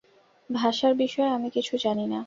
ভাষার বিষয়ে আমি কিছু জানি না।